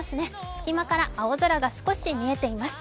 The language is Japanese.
隙間から青空が少し見えています。